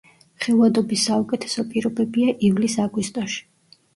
ხილვადობის საუკეთესო პირობებია ივლის-აგვისტოში.